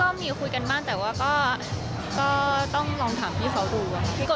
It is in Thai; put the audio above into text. คุยกันบ้างแต่ว่าก็ต้องลองถามพี่เขาดู